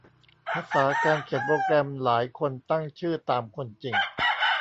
ภาษาการเขียนโปรแกรมหลายคนตั้งชื่อตามคนจริง